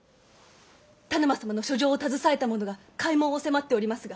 田沼様の書状を携えたものが開門を迫っておりますが。